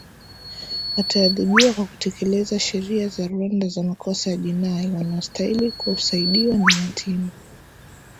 wataadhibiwa kwa kutekeleza sheria za rwanda za makosa ya jinai wanaostahili kusaidiwa ni yatima